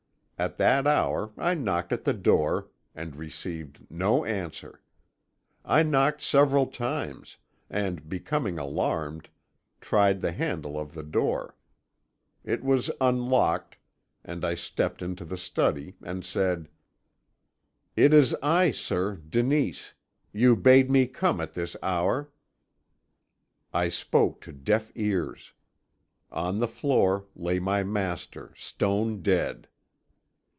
At that hour, I knocked at the door, and received no answer. I knocked several times, and, becoming alarmed, tried the handle of the door. It was unlocked, and I stepped into the study, and said: "'It is I, sir, Denise; you bade me come at this hour.' "I spoke to deaf ears. On the floor lay my master stone dead!